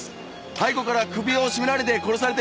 背後から首を絞められて殺されたようです。